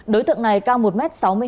đối tượng này cao một m sáu mươi hai